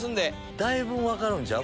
だいぶ分かるんちゃう？